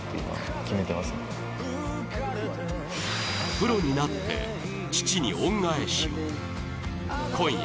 プロになって、父に恩返しを。